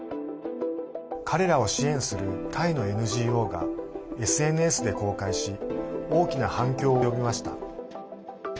彼らを支援するタイのＮＧＯがＳＮＳで公開し大きな反響を呼びました。